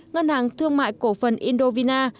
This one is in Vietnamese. ngân hàng thương mại cổ phần indovina